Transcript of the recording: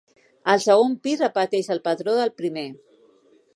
El segon pis repeteix el patró del primer.